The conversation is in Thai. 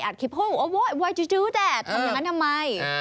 อัดคลิปทำไมทำแบบนั้นทำไม